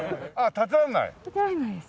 建てられないですね。